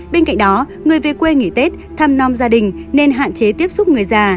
bên cạnh đó người về quê nghỉ tết thăm non gia đình nên hạn chế tiếp xúc người già